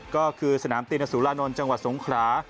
ก็คือสนามตินสุรานนท์จังหวัดสงขรา